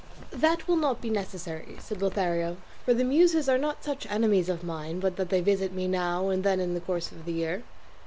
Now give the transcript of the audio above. "That will not be necessary," said Lothario, "for the muses are not such enemies of mine but that they visit me now and then in the course of the year.